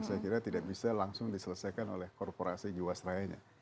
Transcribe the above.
saya kira tidak bisa langsung diselesaikan oleh korporasi jiwasrayanya